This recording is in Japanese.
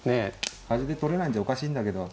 端で取れないんじゃおかしいんだけど。